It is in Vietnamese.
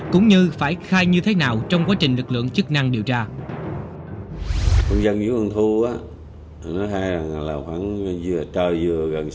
cũng như phải khai như thế nào trong quá trình lực lượng chức năng điều tra